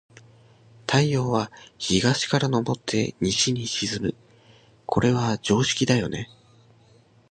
太陽は、東から昇って西に沈む。これは常識だよね。